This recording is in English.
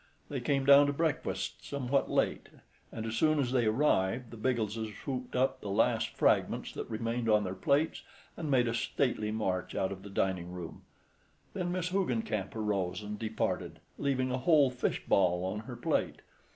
They came down to breakfast somewhat late, and, as soon as they arrived, the Biggleses swooped up the last fragments that remained on their plates, and made a stately march out of the dining room, Then Miss Hoogencamp arose and departed, leaving a whole fish ball on her plate.